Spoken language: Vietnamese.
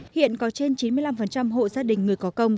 hiện có trên chín mươi năm hộ gia đình người có công